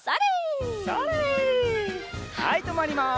はいとまります。